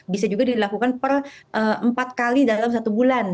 bisa juga dilakukan empat kali dalam satu bulan